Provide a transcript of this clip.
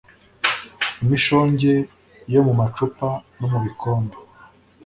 imishonge yo mu macupa no mu bikombe